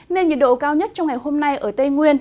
nên nhiệt độ cao nhất trong ngày hôm nay ở tây nguyên